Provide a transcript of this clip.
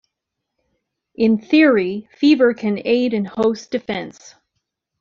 In theory, fever can aid in host defense.